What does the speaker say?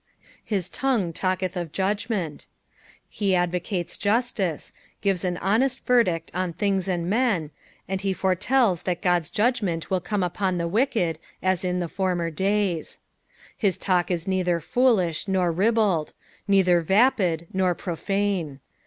" SU tongue talieth of judgment." Ho advocates justice, gives an honest verdict on things and men, and he foretells that God'e judgments will come upon the wicked, as in the former days. His talk is neither foolish nor ribald, neither vapid nor profane.